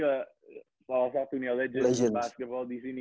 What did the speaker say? lawan satu dunia legenda di sini